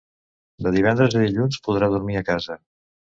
De divendres a dilluns podrà dormir a casa.